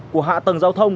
của hạ tầng giao thông